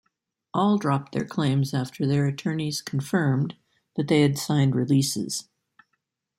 All dropped their claims after their attorneys confirmed that they had signed releases.